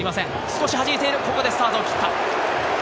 少しはじいて、ここでスタートを切った。